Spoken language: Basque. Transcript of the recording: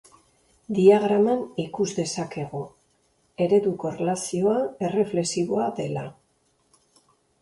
Diagraman ikus dezakegu, ereduko erlazioa erreflexiboa dela.